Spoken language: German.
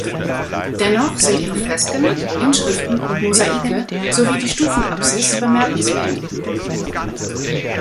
Dennoch sind ihre Fresken, Inschriften und Mosaike sowie die Stufen-Apsis bemerkenswert.